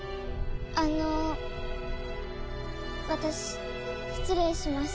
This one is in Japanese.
あの私失礼します。